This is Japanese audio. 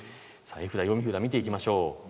絵札、読み札を見ていきましょう。